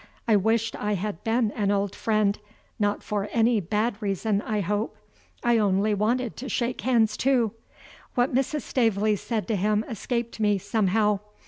I wished I had been an old friend not for any bad reason, I hope. I only wanted to shake hands, too. What Mrs. Staveley said to him escaped me, somehow.